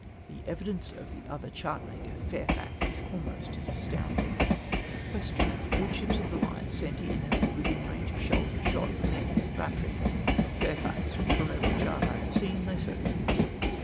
The evidence of the other chartmaker Fairfax is almost as astounding;. Question. —" Would ships of the line sent in have been within range of shells and shot from the enemy's batteries ?" Me. Fairfax. —" From every chart I have seen they certainly would."